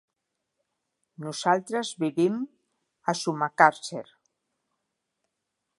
Nosaltres vivim a Sumacàrcer.